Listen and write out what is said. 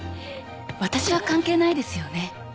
私は関係ないですよね？